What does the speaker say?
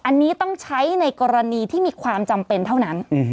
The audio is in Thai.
อันนี้ต้องใช้ในกรณีที่มีความจำเป็นเท่านั้น